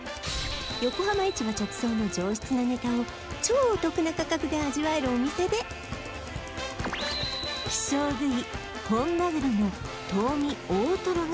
横浜市場直送の上質なネタを超お得な価格で味わえるお店で希少部位！